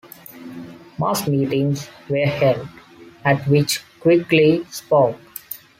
Mass meetings were held, at which Quigley spoke.